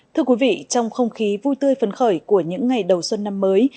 thưa quý vị trong không khí vui tươi phấn khởi của những ngày đầu xuân năm mới